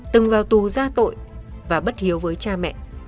từng vào tù ra tội và bất hiếu với cha mẹ